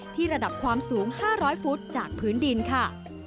ระดับความสูง๕๐๐ฟุตจากพื้นดินค่ะ